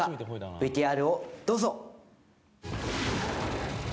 ＶＴＲをどうぞ。